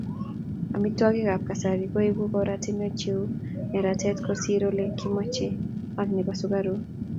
Amitwogikab kasari koibu korotwek cheu neratet kosir Ole kimochei ak nebo sukaruk